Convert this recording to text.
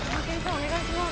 お願いします。